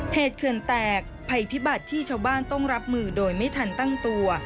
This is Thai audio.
เขื่อนแตกภัยพิบัติที่ชาวบ้านต้องรับมือโดยไม่ทันตั้งตัว